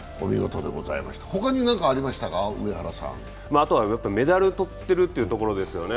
あとはメダル取っているところですよね。